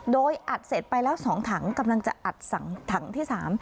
โดยอัดเสร็จไปแล้ว๒ถังกำลังจะอัดสั่งถังที่สาม